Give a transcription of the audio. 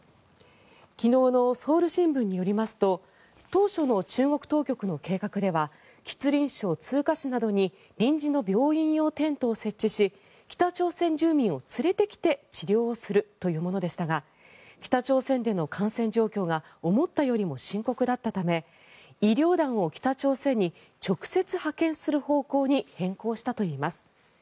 昨日のソウル新聞によりますと当初の中国当局の計画では吉林省通化市などに臨時の病院用テントを設置し北朝鮮住民を連れてきて治療するというものでしたが北朝鮮での感染状況が思ったよりも深刻だったため医療団を北朝鮮に直接派遣する方向に変更したといいます。